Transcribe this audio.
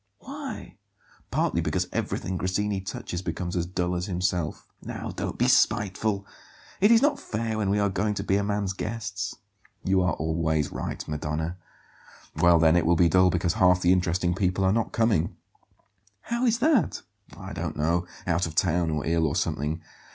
"Why?" "Partly because everything Grassini touches becomes as dull as himself." "Now don't be spiteful. It is not fair when we are going to be a man's guests." "You are always right, Madonna. Well then, it will be dull because half the interesting people are not coming." "How is that?" "I don't know. Out of town, or ill, or something.